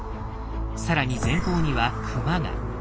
更に前方にはクマが。